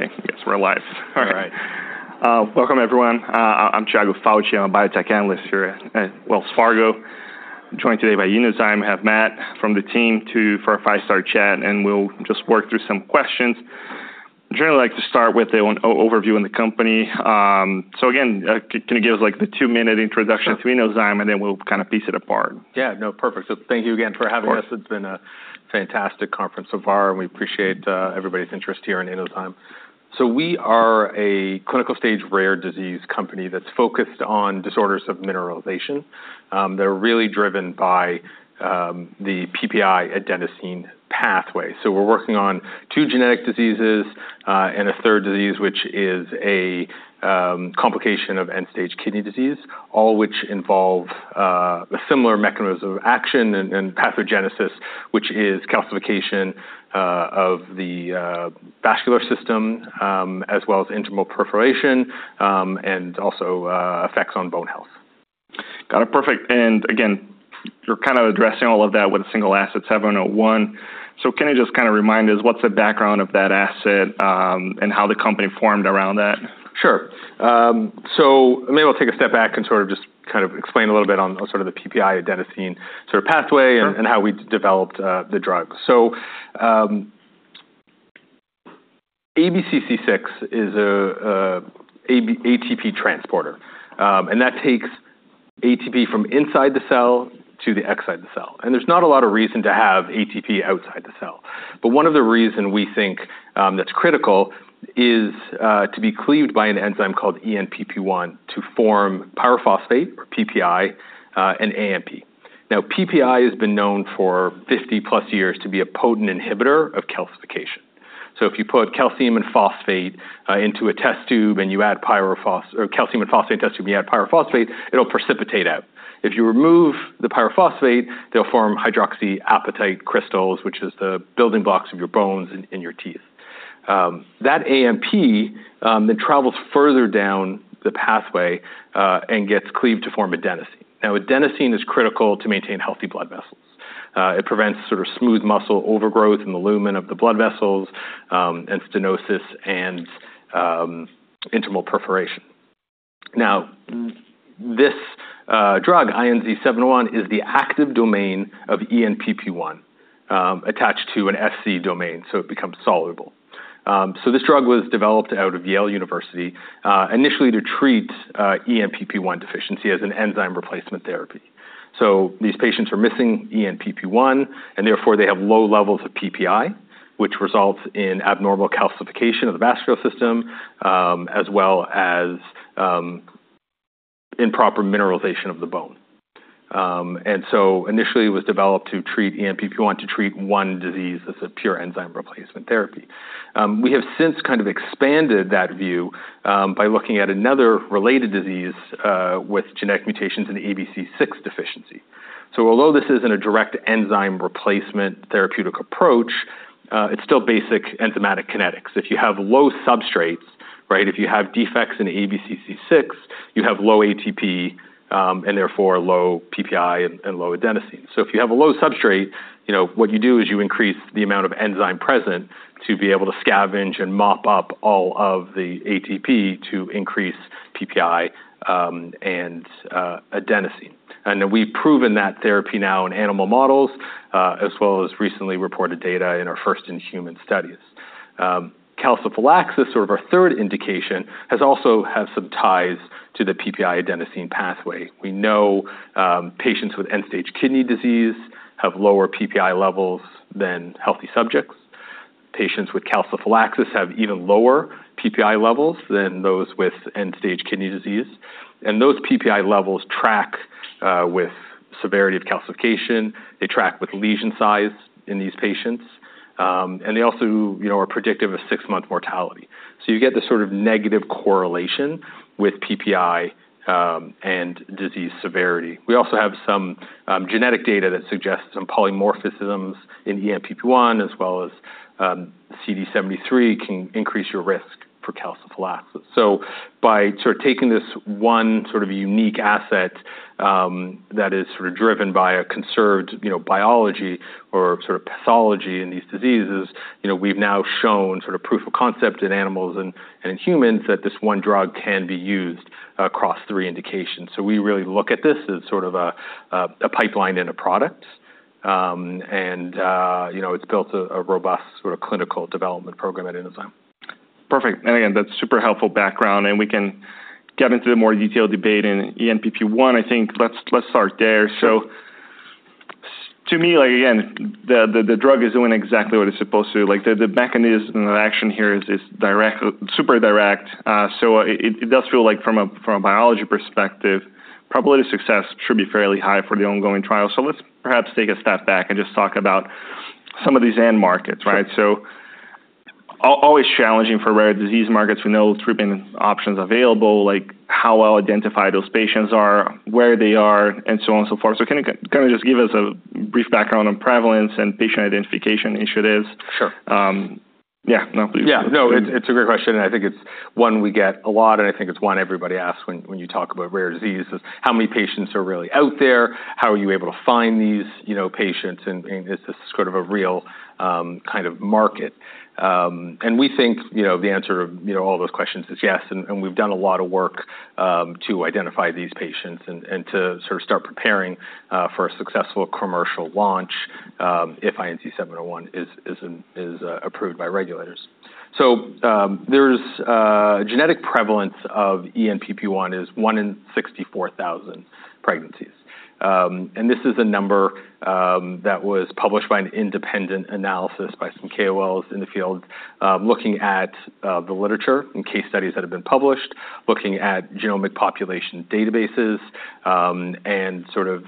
Okay, I guess we're live. All right. Welcome, everyone. I'm Tiago Fauth. I'm a biotech analyst here at Wells Fargo. I'm joined today by Inozyme. I have Matt from the team here for a fireside chat, and we'll just work through some questions. Generally, I'd like to start with an overview on the company. So again, can you give us, like, the two-minute introduction- Sure. to Inozyme, and then we'll kind of piece it apart? Yeah, no, perfect. So thank you again for having us. Of course. It's been a fantastic conference so far, and we appreciate everybody's interest here in Inozyme. So we are a clinical-stage rare disease company that's focused on disorders of mineralization. They're really driven by the PPi-Adenosine Pathway. So we're working on two genetic diseases and a third disease, which is a complication of end-stage kidney disease, all which involve a similar mechanism of action and pathogenesis, which is calcification of the vascular system as well as intimal proliferation and also effects on bone health. Got it. Perfect. And again, you're kind of addressing all of that with a single asset, INZ-701. So can you just kind of remind us what's the background of that asset, and how the company formed around that? Sure. So maybe we'll take a step back and sort of just kind of explain a little bit on sort of the PPi-Adenosine sort of pathway- Sure... and how we developed the drug. So, ABCC6 is an ABC-ATP transporter, and that takes ATP from inside the cell to the outside the cell, and there's not a lot of reason to have ATP outside the cell. But one of the reason we think that's critical is to be cleaved by an enzyme called ENPP1 to form pyrophosphate, or PPi, and AMP. Now, PPi has been known for 50-plus years to be a potent inhibitor of calcification. So if you put calcium and phosphate into a test tube, and you add pyrophosphate, it'll precipitate out. If you remove the pyrophosphate, they'll form hydroxyapatite crystals, which is the building blocks of your bones and your teeth. That AMP then travels further down the pathway and gets cleaved to form adenosine. Now, adenosine is critical to maintain healthy blood vessels. It prevents sort of smooth muscle overgrowth in the lumen of the blood vessels and stenosis and intimal proliferation. Now, this drug, INZ-701, is the active domain of ENPP1 attached to an FC domain, so it becomes soluble. So this drug was developed out of Yale University initially to treat ENPP1 deficiency as an enzyme replacement therapy. So these patients are missing ENPP1, and therefore, they have low levels of PPi, which results in abnormal calcification of the vascular system as well as improper mineralization of the bone. And so initially, it was developed to treat ENPP1, to treat one disease as a pure enzyme replacement therapy. We have since kind of expanded that view, by looking at another related disease, with genetic mutations in ABCC6 deficiency. So although this isn't a direct enzyme replacement therapeutic approach, it's still basic enzymatic kinetics. If you have low substrates, right? If you have defects in ABCC6, you have low ATP, and therefore low PPI and low Adenosine. So if you have a low substrate, you know, what you do is you increase the amount of enzyme present to be able to scavenge and mop up all of the ATP to increase PPI, and Adenosine. And we've proven that therapy now in animal models, as well as recently reported data in our first-in-human studies. Calciphylaxis, sort of our third indication, has also had some ties to the PPi-Adenosine pathway. We know, patients with end-stage kidney disease have lower PPi levels than healthy subjects. Patients with calciphylaxis have even lower PPi levels than those with end-stage kidney disease, and those PPi levels track with severity of calcification. They track with lesion size in these patients, and they also, you know, are predictive of six-month mortality. So you get this sort of negative correlation with PPi, and disease severity. We also have some genetic data that suggests some polymorphisms in ENPP1, as well as CD73 can increase your risk for calciphylaxis. So by sort of taking this one sort of unique asset, that is sort of driven by a conserved, you know, biology or sort of pathology in these diseases, you know, we've now shown sort of proof of concept in animals and in humans that this one drug can be used across three indications. So we really look at this as sort of a pipeline and a product. And you know, it's built a robust sort of clinical development program at Inozyme. Perfect. And again, that's super helpful background, and we can get into the more detailed debate in ENPP1. I think let's start there. So to me, like again, the drug is doing exactly what it's supposed to. Like, the mechanism of action here is direct, super direct. So it does feel like from a biology perspective, probability of success should be fairly high for the ongoing trial. So let's perhaps take a step back and just talk about some of these end markets, right? So always challenging for rare disease markets. We know treatment options available, like how well identified those patients are, where they are, and so on and so forth. So can you kind of just give us a brief background on prevalence and patient identification initiatives? Sure. Um-... Yeah. No, yeah, no, it's a great question, and I think it's one we get a lot, and I think it's one everybody asks when you talk about rare diseases. How many patients are really out there? How are you able to find these, you know, patients? And is this sort of a real kind of market? And we think, you know, the answer to, you know, all those questions is yes, and we've done a lot of work to identify these patients and to sort of start preparing for a successful commercial launch if INZ-701 is approved by regulators. So there's a genetic prevalence of ENPP1 is one in 64,000 pregnancies. And this is a number that was published by an independent analysis by some KOLs in the field, looking at the literature and case studies that have been published, looking at genomic population databases, and sort of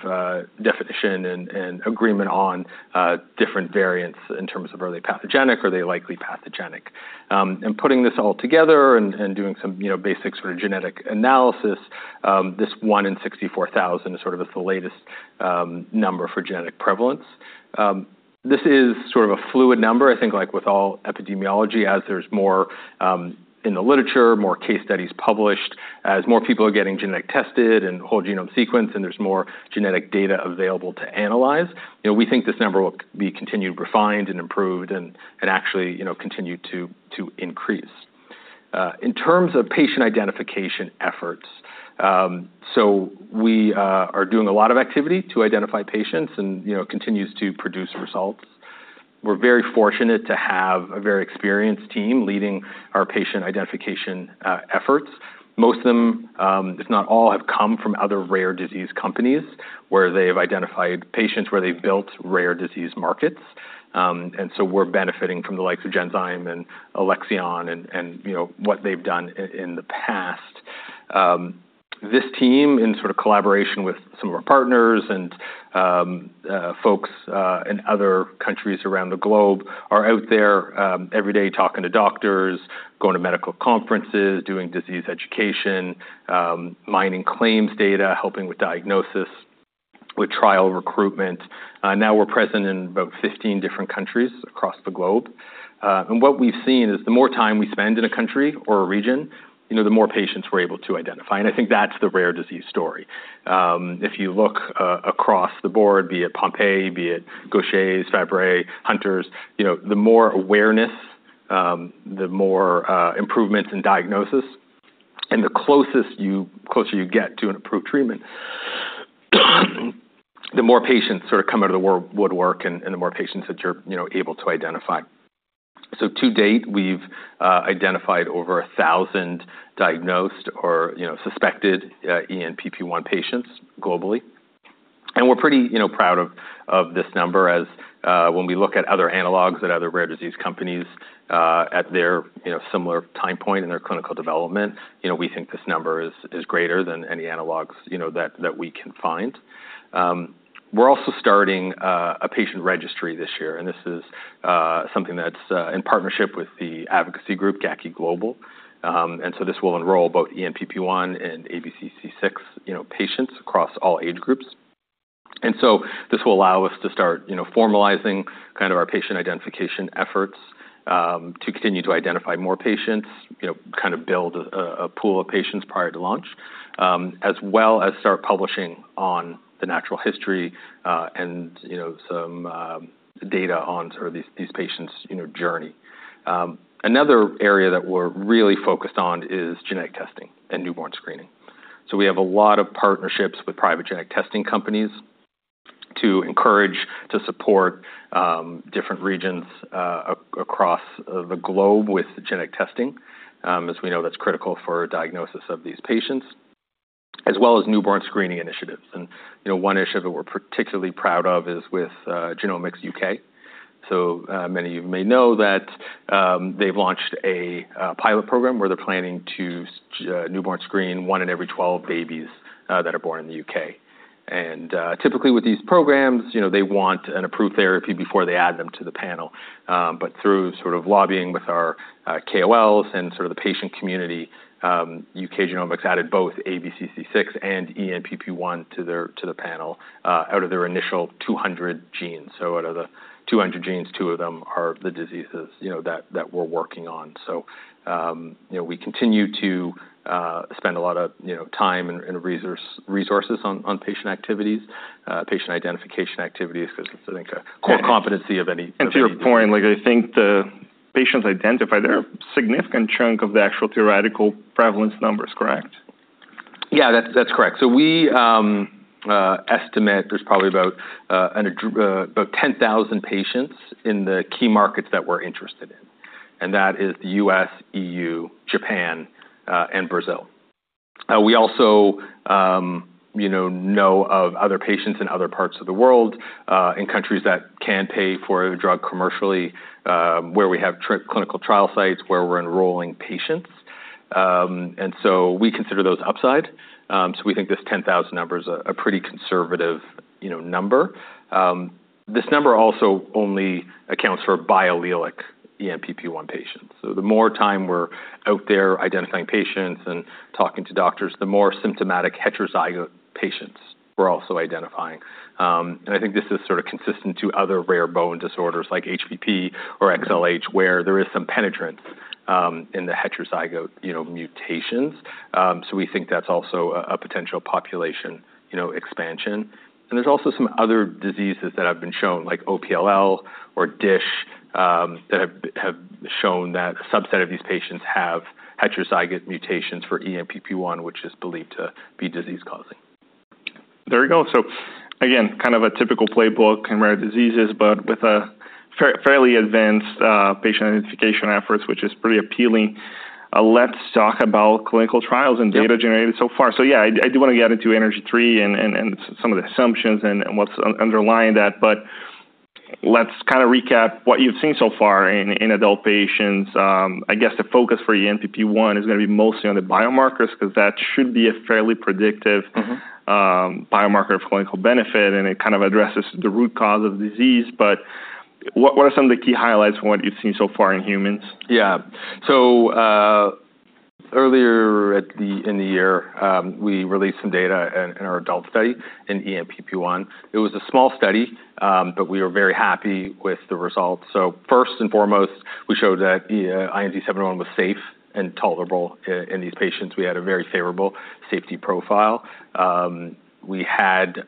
definition and agreement on different variants in terms of are they pathogenic or are they likely pathogenic? And putting this all together and doing some, you know, basic sort of genetic analysis, this one in 64,000 is sort of the latest number for genetic prevalence. This is sort of a fluid number. I think, like with all epidemiology, as there's more in the literature, more case studies published, as more people are getting genetic tested and whole genome sequenced, and there's more genetic data available to analyze, you know, we think this number will be continued, refined, and improved and actually, you know, continue to increase. In terms of patient identification efforts, so we are doing a lot of activity to identify patients and, you know, continues to produce results. We're very fortunate to have a very experienced team leading our patient identification efforts. Most of them, if not all, have come from other rare disease companies, where they've identified patients, where they've built rare disease markets. And so we're benefiting from the likes of Genzyme and Alexion and, you know, what they've done in the past. This team, in sort of collaboration with some of our partners and folks in other countries around the globe, are out there every day, talking to doctors, going to medical conferences, doing disease education, mining claims data, helping with diagnosis, with trial recruitment. Now we're present in about 15 different countries across the globe, and what we've seen is the more time we spend in a country or a region, you know, the more patients we're able to identify, and I think that's the rare disease story. If you look across the board, be it Pompe, be it Gaucher, Fabry, Hunters, you know, the more awareness, the more improvements in diagnosis and the closer you get to an approved treatment, the more patients sort of come out of the woodwork, and the more patients that you're, you know, able to identify. So to date, we've identified over 1,000 diagnosed or, you know, suspected ENPP1 patients globally. And we're pretty, you know, proud of this number, as when we look at other analogs and other rare disease companies at their, you know, similar time point in their clinical development, you know, we think this number is greater than any analogs, you know, that we can find. We're also starting a patient registry this year, and this is something that's in partnership with the advocacy group, GACI Global, and so this will enroll both ENPP1 and ABCC6, you know, patients across all age groups, and so this will allow us to start, you know, formalizing kind of our patient identification efforts, to continue to identify more patients, you know, kind of build a pool of patients prior to launch, as well as start publishing on the natural history, and, you know, some data on sort of these patients', you know, journey. Another area that we're really focused on is genetic testing and newborn screening, so we have a lot of partnerships with private genetic testing companies to encourage, to support, different regions across the globe with genetic testing. As we know, that's critical for diagnosis of these patients, as well as newborn screening initiatives. You know, one initiative we're particularly proud of is with Genomics U.K., so many of you may know that they've launched a pilot program where they're planning to newborn screen one in every 12 babies that are born in the U.K., and typically with these programs, you know, they want an approved therapy before they add them to the panel, but through sort of lobbying with our KOLs and sort of the patient community, U.K. Genomics added both ABCC6 and ENPP1 to the panel out of their initial 200 genes, so out of the 200 genes, two of them are the diseases you know that we're working on. You know, we continue to spend a lot of, you know, time and resources on patient activities, patient identification activities, because I think a core competency of any- And to your point, like, I think the patients identify they're a significant chunk of the actual theoretical prevalence numbers, correct? Yeah, that's, that's correct. So we estimate there's probably about 10,000 patients in the key markets that we're interested in, and that is the U.S., EU, Japan, and Brazil. We also, you know, know of other patients in other parts of the world, in countries that can pay for a drug commercially, where we have clinical trial sites, where we're enrolling patients. And so we consider those upside. So we think this 10,000 number is a, a pretty conservative, you know, number. This number also only accounts for biallelic ENPP1 patients. So the more time we're out there identifying patients and talking to doctors, the more symptomatic heterozygote patients we're also identifying. And I think this is sort of consistent to other rare bone disorders like HPP or XLH, where there is some penetrance in the heterozygote, you know, mutations. So we think that's also a potential population, you know, expansion. And there's also some other diseases that have been shown, like OPLL or DISH, that have shown that a subset of these patients have heterozygote mutations for ENPP1, which is believed to be disease-causing. There we go. So again, kind of a typical playbook in rare diseases, but with a fairly advanced patient identification efforts, which is pretty appealing. Let's talk about clinical trials and data- Yep -generated so far. So yeah, I do wanna get into ENERGY-003 and some of the assumptions and what's underlying that, but let's kind of recap what you've seen so far in adult patients. I guess the focus for ENPP1 is gonna be mostly on the biomarkers, 'cause that should be a fairly predictive- Mm-hmm... biomarker of clinical benefit, and it kind of addresses the root cause of the disease. But what are some of the key highlights from what you've seen so far in humans? Yeah. So, earlier in the year, we released some data in our adult study in ENPP1. It was a small study, but we were very happy with the results. So first and foremost, we showed that INZ-701 was safe and tolerable in these patients. We had a very favorable safety profile. We had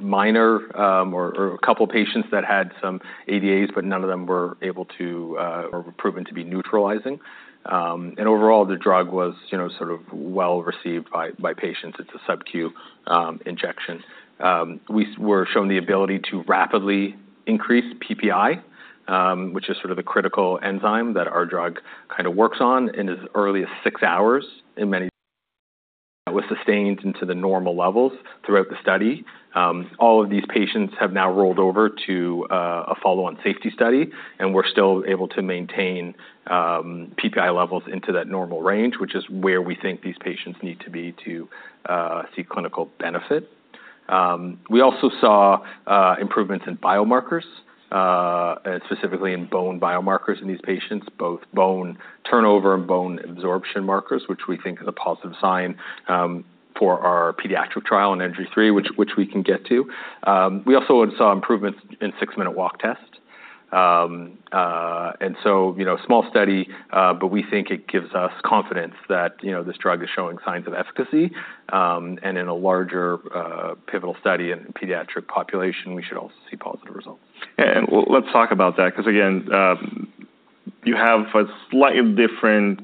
minor or a couple patients that had some ADAs, but none of them were able to or were proven to be neutralizing. And overall, the drug was, you know, sort of well-received by patients. It's a subcu injection. We've shown the ability to rapidly increase PPi, which is sort of the critical enzyme that our drug kind of works on, in as early as six hours in many. It was sustained into the normal levels throughout the study. All of these patients have now rolled over to a follow-on safety study, and we're still able to maintain PPI levels into that normal range, which is where we think these patients need to be to see clinical benefit. We also saw improvements in biomarkers, specifically in bone biomarkers in these patients, both bone turnover and bone absorption markers, which we think is a positive sign for our pediatric trial in ENERGY-3, which we can get to. We also saw improvements in six-minute walk test. So, you know, small study, but we think it gives us confidence that, you know, this drug is showing signs of efficacy. And in a larger pivotal study in pediatric population, we should also see positive results. And let's talk about that, 'cause again, you have a slightly different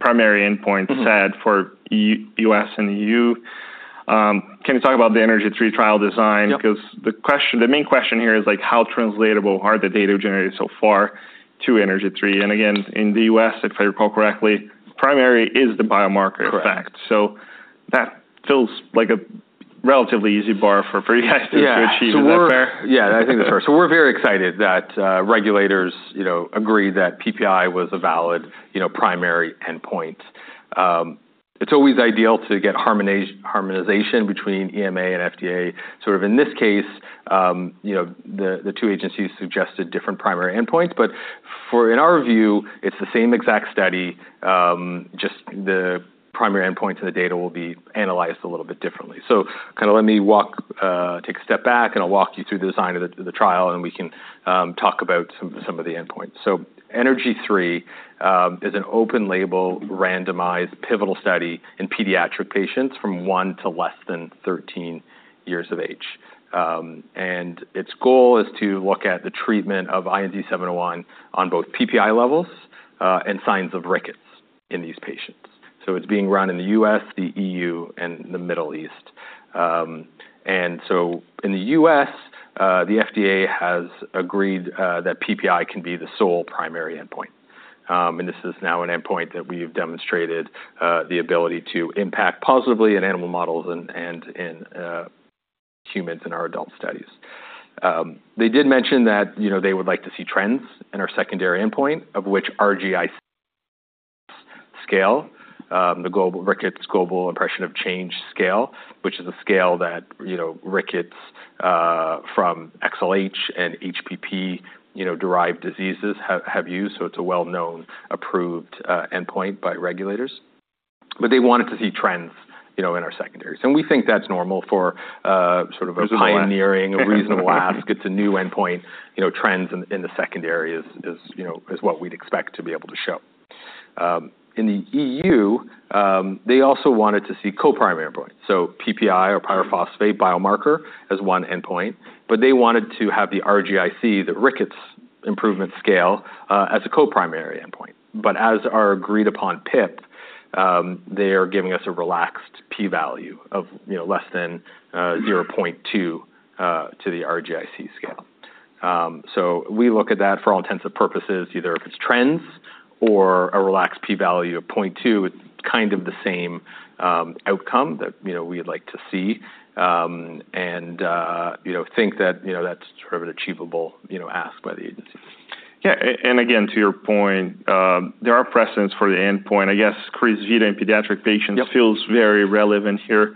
primary endpoint- Mm-hmm Set for U.S. and EU. Can you talk about the ENERGY-3 trial design? Yep. 'Cause the question, the main question here is, like, how translatable are the data generated so far to ENERGY-3? And again, in the us, if I recall correctly, primary is the biomarker effect. Correct. So that feels like a relatively easy bar for pretty nice to achieve. Yeah. Is that fair? Yeah, I think that's fair. So we're very excited that regulators, you know, agree that PPi was a valid, you know, primary endpoint. It's always ideal to get harmonization between EMA and FDA. Sort of in this case, you know, the two agencies suggested different primary endpoints, but for... In our view, it's the same exact study, just the primary endpoint to the data will be analyzed a little bit differently. So kinda let me take a step back, and I'll walk you through the design of the trial, and we can talk about some of the endpoints. So ENERGY-3 is an open-label, randomized, pivotal study in pediatric patients from one to less than 13 years of age. And its goal is to look at the treatment of INZ-701 on both PPi levels and signs of rickets in these patients. So it's being run in the U.S., the E.U., and the Middle East. And so in the U.S., the FDA has agreed that PPi can be the sole primary endpoint, and this is now an endpoint that we've demonstrated the ability to impact positively in animal models and in humans in our adult studies. They did mention that, you know, they would like to see trends in our secondary endpoint, of which RGI-C scale, the Global Rickets Global Impression of Change scale, which is a scale that, you know, rickets from XLH and HPP, you know, derived diseases have used, so it's a well-known, approved endpoint by regulators. But they wanted to see trends, you know, in our secondaries, and we think that's normal for, sort of a- There's a lot. Pioneering, a reasonable ask. It's a new endpoint, you know, trends in the secondary is what we'd expect to be able to show. In the EU, they also wanted to see co-primary endpoint, so PPi or pyrophosphate biomarker as one endpoint, but they wanted to have the RGI-C, the Rickets Global Impression of Change, as a co-primary endpoint. But as our agreed-upon PIP, they are giving us a relaxed p-value of, you know, less than zero point two to the RGI-C scale. So we look at that for all intents and purposes either if it's trends or a relaxed p-value of point two, it's kind of the same outcome that, you know, we'd like to see. And you know, think that, you know, that's sort of an achievable, you know, ask by the agency. Yeah, and again, to your point, there are precedents for the endpoint. I guess Crysvita in pediatric patients- Yep... feels very relevant here....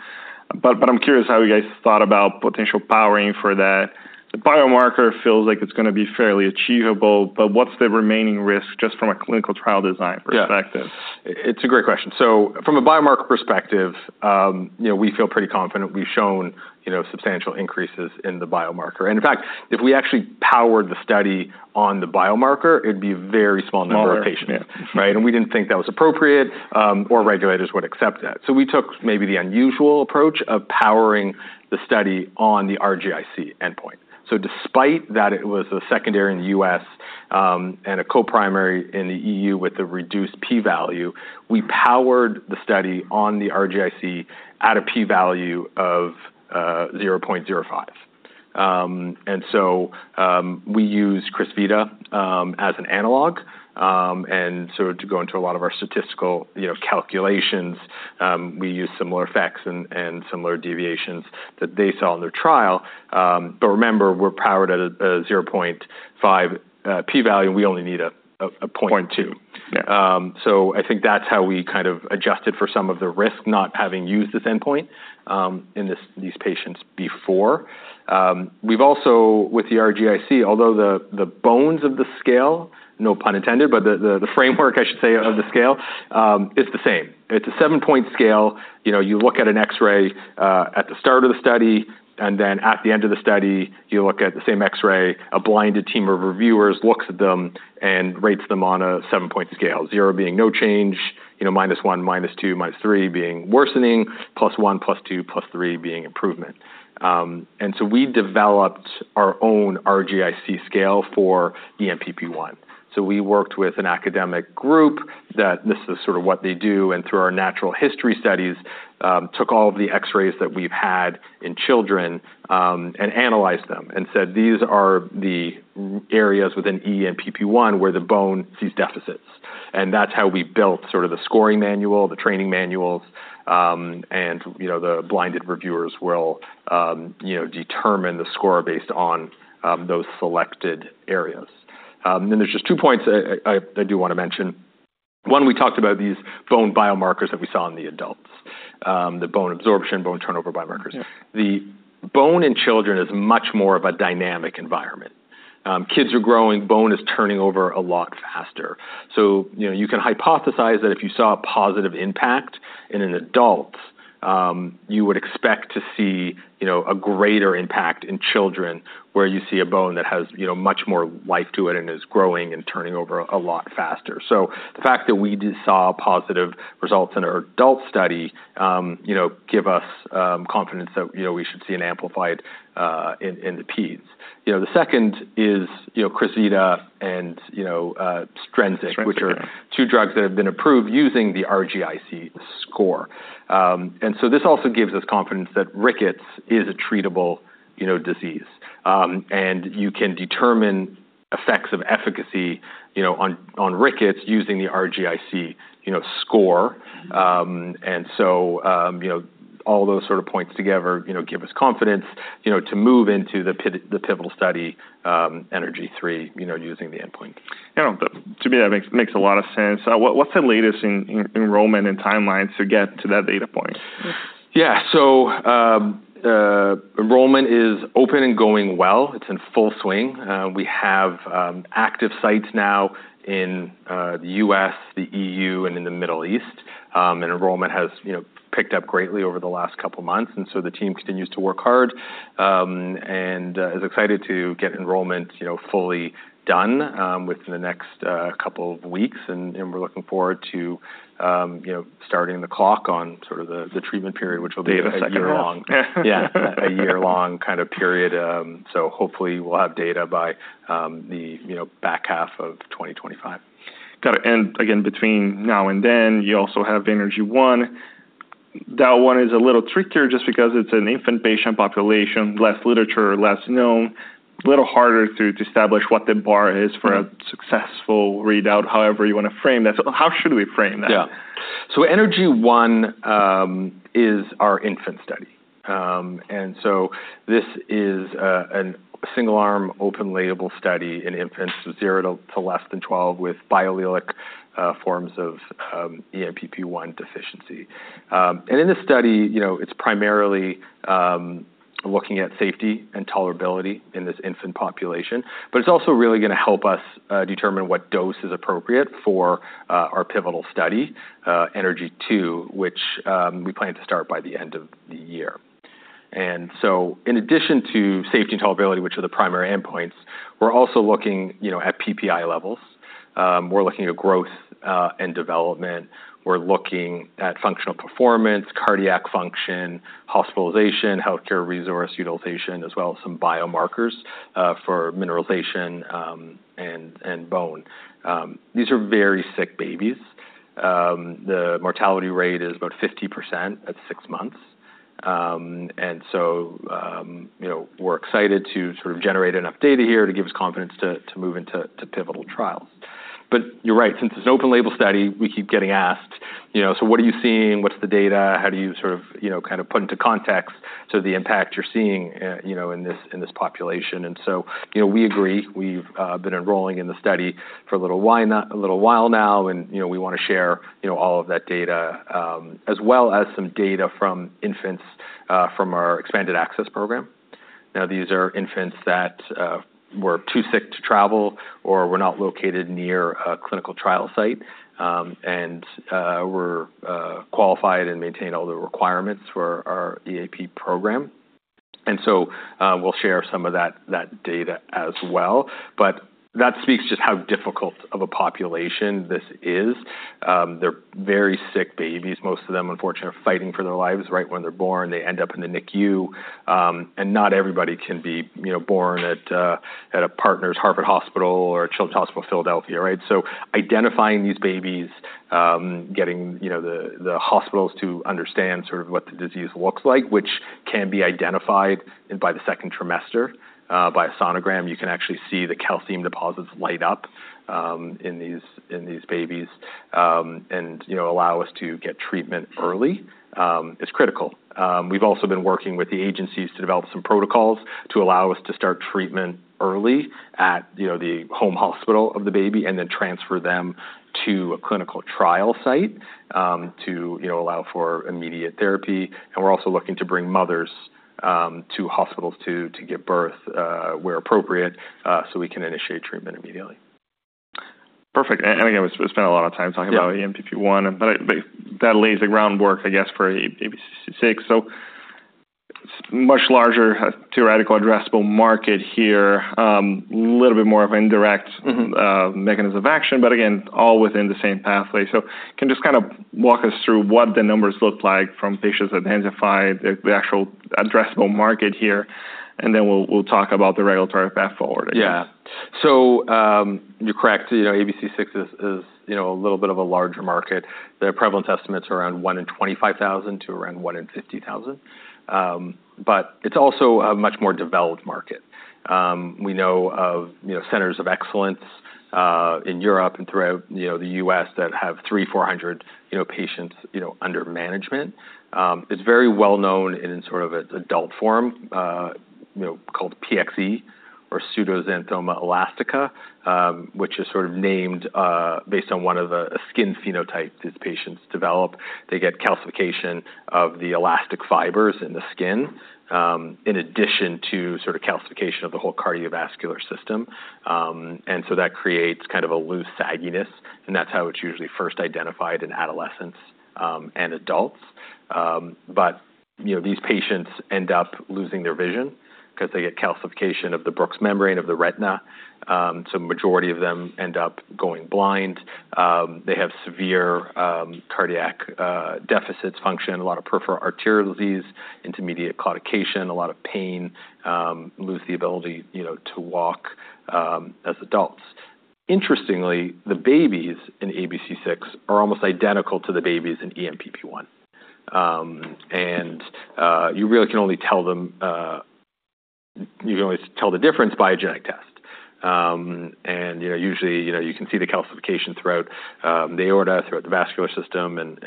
But, I'm curious how you guys thought about potential powering for that. The biomarker feels like it's gonna be fairly achievable, but what's the remaining risk just from a clinical trial design perspective? Yeah. It's a great question. So from a biomarker perspective, you know, we feel pretty confident. We've shown, you know, substantial increases in the biomarker. And in fact, if we actually powered the study on the biomarker, it'd be a very small number- Smaller... of patients. Yeah. Right? And we didn't think that was appropriate, or regulators would accept that. We took maybe the unusual approach of powering the study on the RGI-C endpoint. Despite that, it was a secondary in the U.S., and a co-primary in the EU with the reduced p-value. We powered the study on the RGI-C at a p-value of 0.05. We used Crysvita as an analog. To go into a lot of our statistical, you know, calculations, we use similar effects and similar deviations that they saw in their trial. Remember, we're powered at a 0.5 p-value, and we only need a 0.2. Point two. Yeah. So I think that's how we kind of adjusted for some of the risk not having used this endpoint in these patients before. We've also, with the RGI-C, although the bones of the scale, no pun intended, but the framework, I should say, of the scale, is the same. It's a seven-point scale. You know, you look at an X-ray at the start of the study, and then at the end of the study, you look at the same X-ray. A blinded team of reviewers looks at them and rates them on a seven-point scale, zero being no change, you know, minus one, minus two, minus three being worsening, plus one, plus two, plus three being improvement. And so we developed our own RGI-C scale for ENPP1. We worked with an academic group that this is sort of what they do, and through our natural history studies, took all of the X-rays that we've had in children, and analyzed them and said, "These are the rickets areas within ENPP1, where the bone sees deficits." That's how we built sort of the scoring manual, the training manuals, and, you know, the blinded reviewers will, you know, determine the score based on those selected areas. There's just two points I do wanna mention. One, we talked about these bone biomarkers that we saw in the adults, the bone resorption, bone turnover biomarkers. Yeah. The bone in children is much more of a dynamic environment. Kids are growing, bone is turning over a lot faster. So, you know, you can hypothesize that if you saw a positive impact in an adult, you would expect to see, you know, a greater impact in children, where you see a bone that has, you know, much more life to it and is growing and turning over a lot faster. So the fact that we saw positive results in our adult study, you know, give us confidence that, you know, we should see an amplified in the peds. You know, the second is, you know, Crysvita and, you know, Strensiq- Strensiq... which are two drugs that have been approved using the RGI-C score, and so this also gives us confidence that rickets is a treatable, you know, disease, and you can determine effects of efficacy, you know, on rickets using the RGI-C, you know, score, and so, you know, all those sort of points together, you know, give us confidence, you know, to move into the pivotal study, ENERGY-3, you know, using the endpoint. Yeah. But to me, that makes a lot of sense. What's the latest in enrollment and timelines to get to that data point? Yeah. Enrollment is open and going well. It's in full swing. We have active sites now in the us, the EU, and in the Middle East. Enrollment has, you know, picked up greatly over the last couple of months, and so the team continues to work hard, and is excited to get enrollment, you know, fully done, within the next couple of weeks, and we're looking forward to, you know, starting the clock on sort of the treatment period, which will be- Data second half.... a year-long. Yeah, a year-long kind of period, so hopefully, we'll have data by, the, you know, back half of twenty twenty-five. Got it. And again, between now and then, you also have the ENERGY-1. That one is a little trickier just because it's an infant patient population, less literature, less known, a little harder to establish what the bar is for a- Mm... successful readout, however you wanna frame that. So how should we frame that? Yeah. So ENERGY-1 is our infant study. And so this is a single-arm, open-label study in infants from zero to less than 12 with biallelic forms of ENPP1 deficiency. And in this study, you know, it's primarily looking at safety and tolerability in this infant population, but it's also really gonna help us determine what dose is appropriate for our pivotal study, ENERGY-2, which we plan to start by the end of the year. And so in addition to safety and tolerability, which are the primary endpoints, we're also looking, you know, at PPi levels. We're looking at growth and development. We're looking at functional performance, cardiac function, hospitalization, healthcare resource utilization, as well as some biomarkers for mineralization and bone. These are very sick babies. The mortality rate is about 50% at six months. And so, you know, we're excited to sort of generate enough data here to give us confidence to move into pivotal trials. But you're right, since it's an open label study, we keep getting asked, you know: So what are you seeing? What's the data? How do you sort of, you know, kind of put into context. So the impact you're seeing, you know, in this population. And so, you know, we agree. We've been enrolling in the study for a little while now, and, you know, we wanna share, you know, all of that data, as well as some data from infants, from our Expanded Access Program. Now, these are infants that were too sick to travel or were not located near a clinical trial site, and were qualified and maintained all the requirements for our EAP program. And so, we'll share some of that data as well. But that speaks just how difficult of a population this is. They're very sick babies. Most of them, unfortunately, are fighting for their lives, right, when they're born. They end up in the NICU, and not everybody can be, you know, born at a Partners Harvard Hospital or Children's Hospital Philadelphia, right? So identifying these babies, getting you know the hospitals to understand sort of what the disease looks like, which can be identified by the second trimester, by a sonogram, you can actually see the calcium deposits light up in these babies, and you know allow us to get treatment early is critical. We've also been working with the agencies to develop some protocols to allow us to start treatment early at you know the home hospital of the baby, and then transfer them to a clinical trial site to you know allow for immediate therapy. And we're also looking to bring mothers to hospitals to give birth where appropriate so we can initiate treatment immediately. Perfect. And, again, we spent a lot of time talking about- Yeah ENPP1, but that lays the groundwork, I guess, for ABCC6. So much larger theoretical addressable market here. Little bit more of an indirect- Mm-hmm mechanism of action, but again, all within the same pathway. So can you just kinda walk us through what the numbers look like from patients identified, the actual addressable market here, and then we'll talk about the regulatory path forward? Yeah. So, you're correct. You know, ABCC6 is a little bit of a larger market. The prevalence estimates are around one in twenty-five thousand to around one in fifty thousand. But it's also a much more developed market. We know of, you know, centers of excellence in Europe and throughout, you know, the us that have three, four hundred, you know, patients, you know, under management. It's very well known in sort of its adult form, you know, called PXE, or Pseudoxanthoma elasticum, which is sort of named based on one of the... a skin phenotype these patients develop. They get calcification of the elastic fibers in the skin in addition to sort of calcification of the whole cardiovascular system. And so that creates kind of a loose sagginess, and that's how it's usually first identified in adolescents and adults. But, you know, these patients end up losing their vision because they get calcification of the Bruch's membrane of the retina, so majority of them end up going blind. They have severe cardiac dysfunction, a lot of peripheral arterial disease, intermittent claudication, a lot of pain, lose the ability, you know, to walk, as adults. Interestingly, the babies in ABCC6 are almost identical to the babies in ENPP1. And you really can only tell the difference by a genetic test. And, you know, usually, you know, you can see the calcification throughout the aorta, throughout the vascular system, and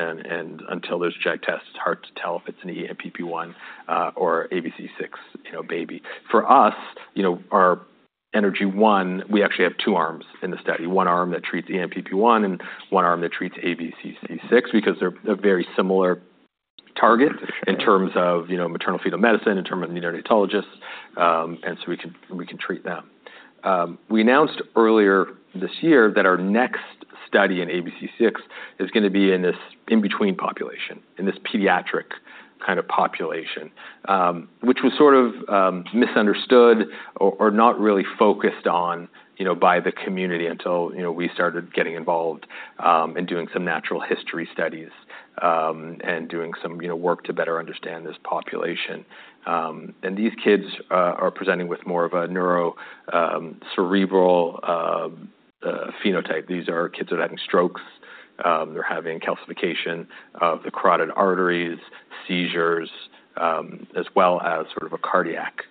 until those genetic tests, it's hard to tell if it's an ENPP1 or ABCC6, you know, baby. For us, you know, our ENERGY-1, we actually have two arms in the study, one arm that treats ENPP1 and one arm that treats ABCC6, because they're a very similar target in terms of, you know, maternal-fetal medicine, in terms of the neonatologists, and so we can treat them. We announced earlier this year that our next study in ABCC6 is gonna be in this in-between population, in this pediatric kind of population, which was sort of misunderstood or not really focused on, you know, by the community until, you know, we started getting involved in doing some natural history studies and doing some, you know, work to better understand this population. These kids are presenting with more of a neuro-cerebral phenotype. These are kids that are having strokes, they're having calcification of the carotid arteries, seizures, as well as sort of a cardiac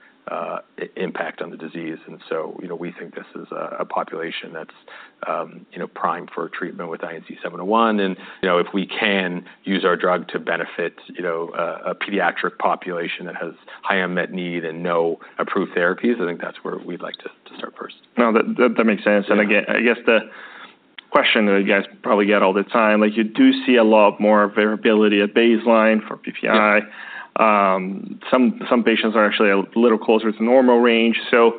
impact on the disease. So, you know, we think this is a population that's, you know, primed for treatment with INZ-701. You know, if we can use our drug to benefit, you know, a pediatric population that has high unmet need and no approved therapies, I think that's where we'd like to start first. No, that makes sense. Yeah. Again, I guess the question that you guys probably get all the time, like, you do see a lot more variability at baseline for PPi. Yeah. Some patients are actually a little closer to normal range. So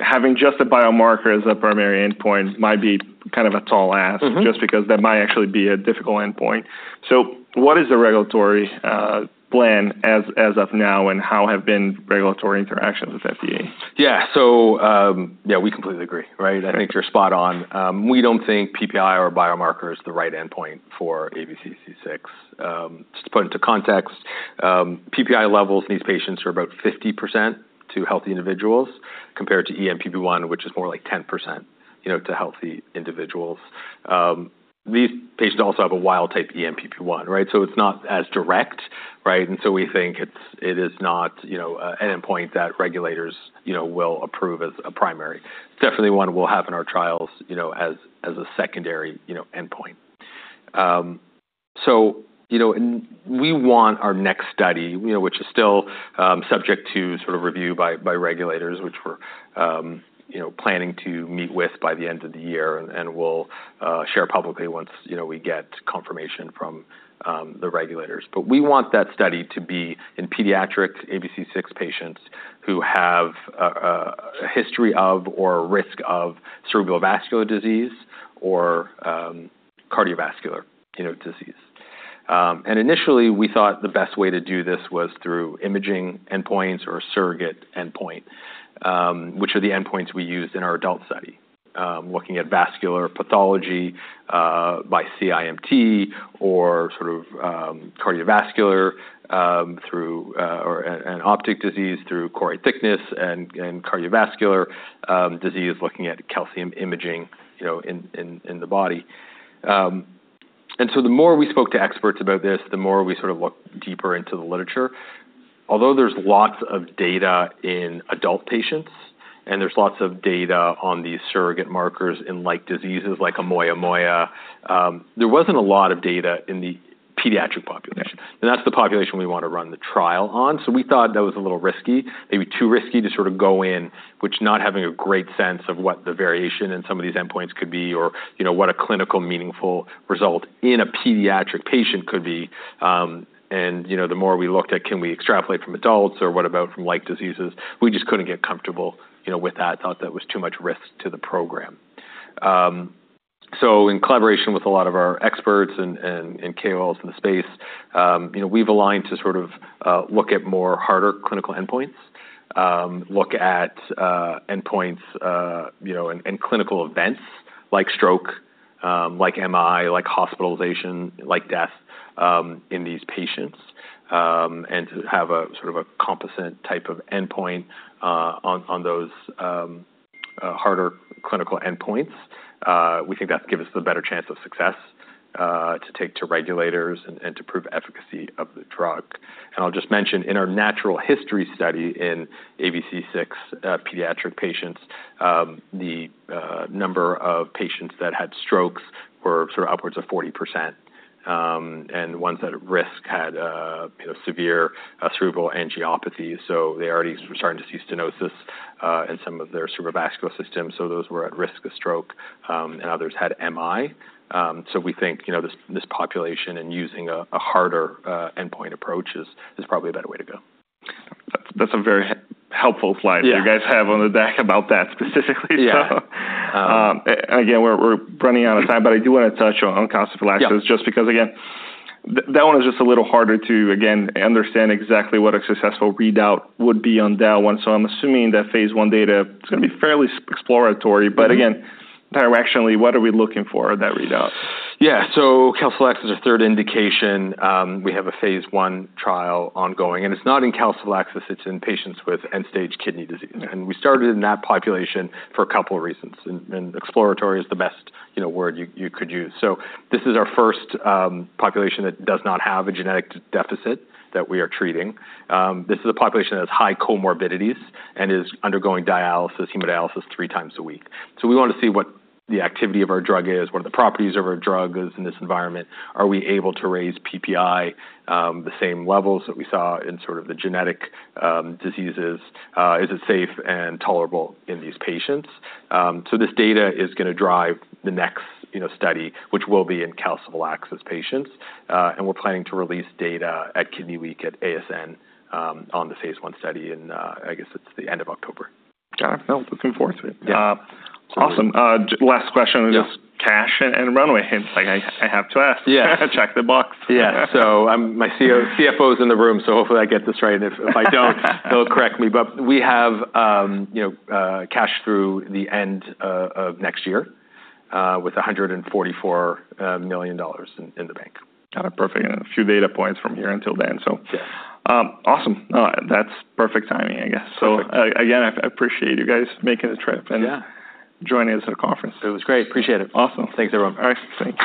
having just a biomarker as a primary endpoint might be kind of a tall ask. Mm-hmm Just because that might actually be a difficult endpoint, so what is the regulatory plan as of now, and how have been regulatory interactions with FDA? Yeah. So, yeah, we completely agree, right? Right. I think you're spot on. We don't think PPi or biomarker is the right endpoint for ABCC6. Just to put into context, PPi levels in these patients are about 50% to healthy individuals, compared to ENPP1, which is more like 10%, you know, to healthy individuals. These patients also have a wild type ENPP1, right? So it's not as direct, right? And so we think it's- it is not, you know, an endpoint that regulators, you know, will approve as a primary. Definitely, one we'll have in our trials, you know, as, as a secondary, you know, endpoint.... So, you know, and we want our next study, you know, which is still subject to sort of review by regulators, which we're, you know, planning to meet with by the end of the year, and we'll share publicly once, you know, we get confirmation from the regulators. But we want that study to be in pediatric ABCC6 patients who have a history of or a risk of cerebrovascular disease or cardiovascular, you know, disease. Initially, we thought the best way to do this was through imaging endpoints or a surrogate endpoint, which are the endpoints we used in our adult study. Looking at vascular pathology by CIMT or sort of cardiovascular through, and optic disease through choroid thickness and cardiovascular disease, looking at calcium imaging, you know, in the body, and so the more we spoke to experts about this, the more we sort of looked deeper into the literature. Although there's lots of data in adult patients, and there's lots of data on these surrogate markers in like diseases like Moyamoya, there wasn't a lot of data in the pediatric population, and that's the population we want to run the trial on. So we thought that was a little risky, maybe too risky to sort of go in, which not having a great sense of what the variation in some of these endpoints could be or, you know, what a clinical meaningful result in a pediatric patient could be. And, you know, the more we looked at, can we extrapolate from adults or what about from like diseases? We just couldn't get comfortable, you know, with that. Thought that was too much risk to the program. So in collaboration with a lot of our experts and KOLs in the space, you know, we've aligned to sort of look at more harder clinical endpoints. Look at endpoints, you know, and and clinical events like stroke, like MI, like hospitalization, like death in these patients, and to have a sort of a composite type of endpoint on those harder clinical endpoints. We think that gives us a better chance of success to take to regulators and to prove efficacy of the drug. And I'll just mention, in our natural history study in ABCC6 pediatric patients, the number of patients that had strokes were sort of upwards of 40%, and ones at risk had, you know, severe cerebral angiopathy. So they already were starting to see stenosis in some of their cerebrovascular system. So those were at risk of stroke, and others had MI. We think, you know, this population and using a harder endpoint approach is probably a better way to go. That's a very helpful slide- Yeah. You guys have on the deck about that specifically? Yeah. Um- Again, we're running out of time, but I do want to touch on calciphylaxis. Yeah. Just because, again, that one is just a little harder to, again, understand exactly what a successful readout would be on that one. So I'm assuming that phase 1 data, it's going to be fairly exploratory. Mm-hmm. But again, directionally, what are we looking for in that readout? Yeah. So Calciphylaxis is a third indication. We have a phase 1 trial ongoing, and it's not in calciphylaxis, it's in patients with end-stage kidney disease. Yeah. We started in that population for a couple of reasons, and exploratory is the best, you know, word you could use. This is our first population that does not have a genetic deficit that we are treating. This is a population that has high comorbidities and is undergoing dialysis, hemodialysis, three times a week. We want to see what the activity of our drug is, what are the properties of our drug is in this environment? Are we able to raise PPi the same levels that we saw in sort of the genetic diseases? Is it safe and tolerable in these patients? This data is gonna drive the next, you know, study, which will be in calciphylaxis patients, and we're planning to release data at Kidney Week at ASN on the phase 1 study in... I guess it's the end of October. Got it. No, looking forward to it. Yeah. Awesome. Last question. Yeah... is cash and runway. I have to ask. Yeah. Check the box. Yeah. So, my CFO is in the room, so hopefully I get this right, and if I don't he'll correct me. But we have, you know, cash through the end of next year with $144 million in the bank. Got it. Perfect. And a few data points from here until then, so- Yeah. Awesome. That's perfect timing, I guess. Perfect. So again, I appreciate you guys making the trip and- Yeah... joining us at conference. It was great. Appreciate it. Awesome. Thanks, everyone. All right. Thank you.